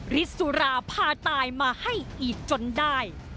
ฤทธิสุราพาตายมาให้อีกจนได้